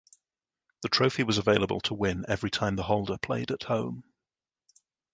The trophy was available to win every time the holder played at home.